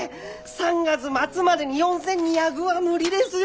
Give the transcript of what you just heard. ３月末までに４，２００は無理ですよ。